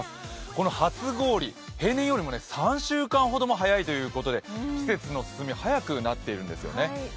この初氷、平年よりも３週間ほども早いということで季節の進み、早くなっているんですよね。